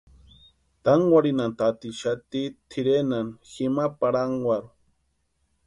Tankwarinhantatixati tʼirenhani jima parhankwaru.